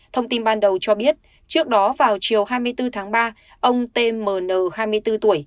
thông tin ban đầu cho biết trước đó vào chiều hai mươi bốn tháng ba ông t m n hai mươi bốn tuổi